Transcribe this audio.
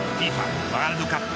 ワールドカップ